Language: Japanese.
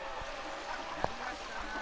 やりましたなあ。